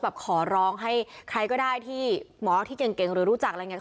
ขอร้องให้ใครก็ได้ที่หมอที่เก่งหรือรู้จักอะไรอย่างนี้